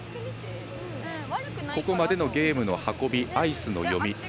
ここまでのゲームの運びアイスの読み